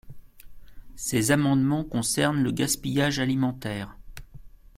Ces amendements concernent le gaspillage alimentaire.